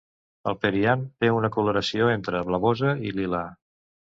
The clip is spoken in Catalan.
El periant té una coloració entre blavosa i lila.